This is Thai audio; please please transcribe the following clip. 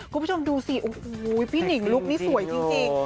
คุณผู้ชมดูสิโอ้โหพี่หนิงลุคนี้สวยจริง